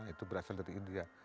itu berasal dari india